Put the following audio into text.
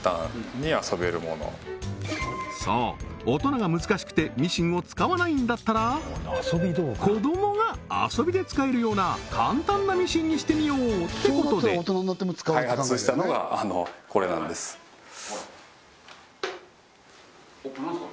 そう大人が難しくてミシンを使わないんだったら子どもが遊びで使えるような簡単なミシンにしてみようってことで何ですか？